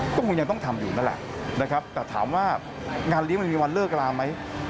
ก็คงยังต้องทำอยู่นั่นแหละนะครับแต่ถามว่างานเลี้ยงมันมีวันเลิกลาไหม